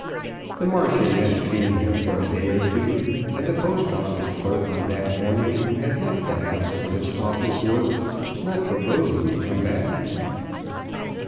The Marchioness came there for a day or two, and the Post Office clerk on that morning had left the house for his office work, not purposing to come back.